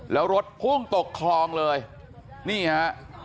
แล้วรถพุ่งตกคลองเลยนี่ฮะ